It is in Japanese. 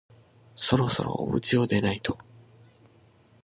そろそろおうちを出ないと